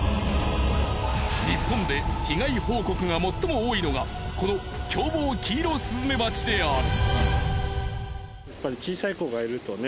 日本で被害報告が最も多いのがこの凶暴キイロスズメバチである。